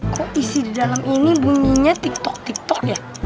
kok isi dalam ini bunyinya tik tok tik tok ya